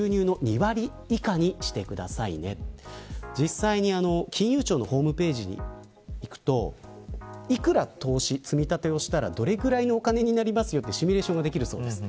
実際に金融庁のホームページにいくといくら投資、積み立てをしたらどれぐらいのお金になりますよというシミュレーションができるそうです。